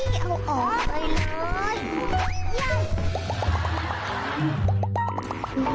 เฮ้ยเอาออกไปหน่อย